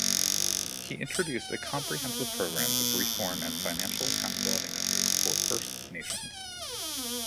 He introduced a comprehensive program of reform and financial accountability measures for First Nations.